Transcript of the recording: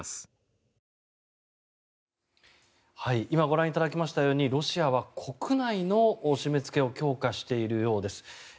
今ご覧いただきましたようにロシアは国内の締め付けを強化しているようです。